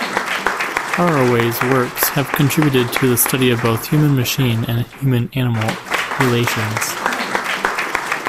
Haraway's works have contributed to the study of both human-machine and human-animal relations.